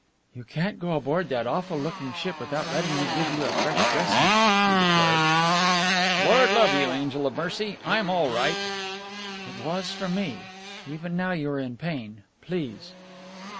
"You can't go aboard that awful looking ship without letting me give you a fresh dressing," she declared. "Lord love you, angel of mercy, I'm all right!" "It was for me. Even now you are in pain. Please!"